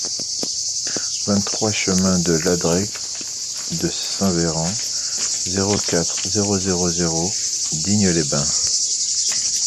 vingt-trois chemin de L'Adrech de Saint-Véran, zéro quatre, zéro zéro zéro Digne-les-Bains